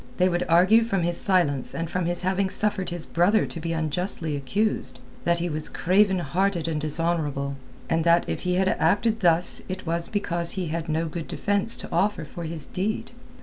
They would argue from his silence and from his having suffered his brother to be unjustly accused that he was craven hearted and dishonourable, and that if he had acted thus it was because he had no good defence to offer for his deed.